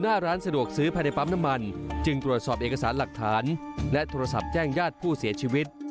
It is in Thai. หน้าร้านสะดวกซื้อภายในปั๊มน้ำมันจึงตรวจสอบเอกสารหลักฐานและโทรศัพท์แจ้งญาติผู้เสียชีวิต